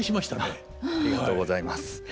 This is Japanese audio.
ありがとうございます。